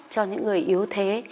cho những người yếu thế